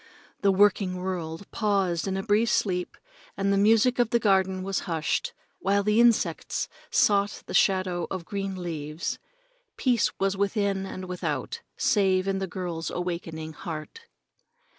The working world paused in a brief sleep and the music of the garden was hushed, while the insects sought the shadow of green leaves. Peace was within and without, save in the girl's awakening heart.